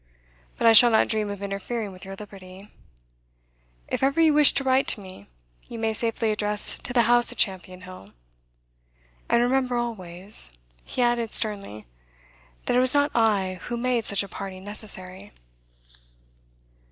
But I shall not dream of interfering with your liberty. If ever you wish to write to me, you may safely address to the house at Champion Hill. And remember always,' he added sternly, 'that it was not I who made such a parting necessary.